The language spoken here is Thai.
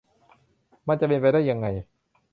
มันจะเป็นไปได้ยังไง